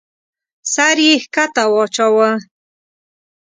سر يې کښته واچاوه.